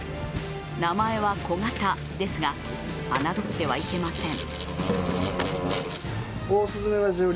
名前は「コガタ」ですが、侮ってはいけません。